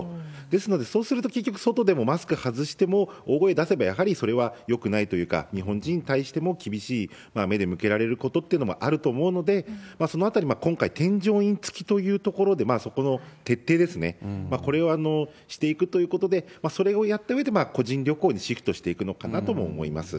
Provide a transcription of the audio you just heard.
ですので、そうすると、結局、外でもマスク外しても、大声出せばやはりそれはよくないというか、日本人に対しても厳しい目で向けられるということもあると思うので、そのあたり、今回、添乗員つきというところで、そこの徹底ですね、これをしていくということで、それをやったうえで、個人旅行にシフトしていくのかなとも思います。